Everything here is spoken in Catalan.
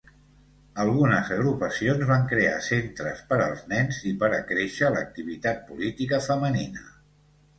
Algunes agrupacions van crear centres per als nens i per acréixer l'activitat política femenina.